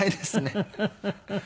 フフフフ。